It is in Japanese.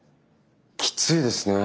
きついですね。